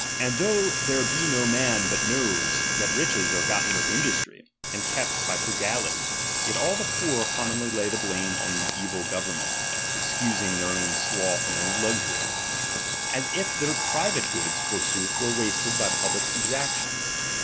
And though there be no man bnt just ami ueces knows, that riches are gotten with industry, and J^'^^!^^ Itept by fi ugality, yet all the poor commonly lay the blame on the evil government, excusing their ^H own sloth and luxury ; as if their private goods ^| forsooth were wasted by public exactions.